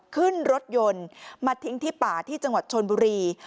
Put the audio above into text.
ขึ้นรถยนต์มาทิ้งที่ป่าที่จังหวัดชนบุรี